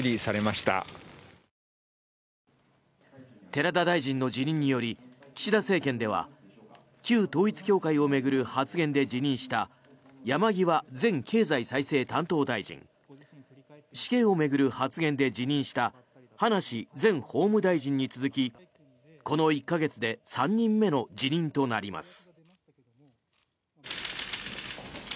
寺田大臣の辞任により岸田政権では旧統一教会を巡る発言で辞任した山際前経済再生担当大臣死刑を巡る発言で辞任した葉梨前法務大臣に続きこの１か月で３人目の辞任となります。